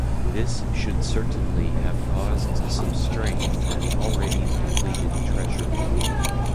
This should certainly have caused some strain on the already depleted treasury.